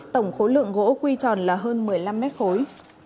tổng khối lượng gỗ quy tròn là hơn một mươi năm mét khối